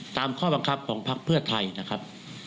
ตามข้อบังคับของพักเพื่อไทยนะครับ